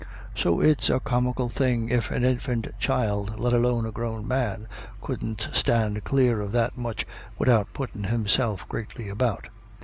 So it's a comical thing if an infant child, let alone a grown man, couldn't stand clare of that much widout puttin' himself greatly about.